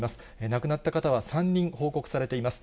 亡くなった方は３人報告されています。